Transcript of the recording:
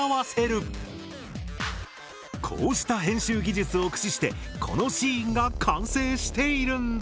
こうした編集技術を駆使してこのシーンが完成しているんだ。